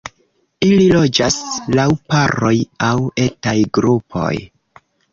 Ili loĝas laŭ paroj aŭ etaj grupoj.